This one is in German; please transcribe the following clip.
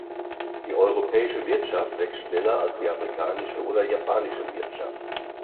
Die europäische Wirtschaft wächst schneller als die amerikanische oder japanische Wirtschaft.